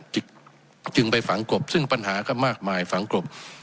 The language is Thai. จึงจึงไปฝังกลบซึ่งปัญหาก็มากมายฝังกลบ